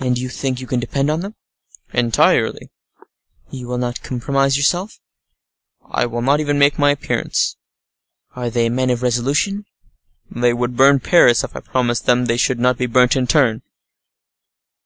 "And you think you can depend on them?" "Entirely." "And you will not compromise yourself?" "I will not even make my appearance." "Are they men of resolution?" "They would burn Paris, if I promised them they should not be burnt in turn."